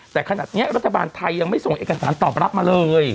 แต่ขนาดนี้รัฐบาลไทยยังไม่ส่งเอกสารตอบรับมาเลย